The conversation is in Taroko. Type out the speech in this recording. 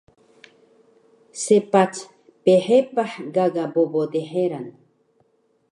Sepac phepah gaga bobo dheran